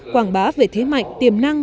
quảng bá về thế mạnh tiềm năng